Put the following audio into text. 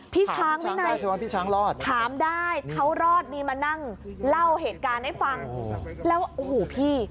พี่ช้างด้วยนะพี่ช้างรอดถามได้เขารอดนี่มานั่งเล่าเหตุการณ์ให้ฟังแล้วโอ้โหพี่